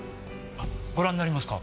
あご覧になりますか？